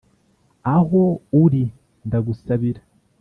Aho uri ndagusabira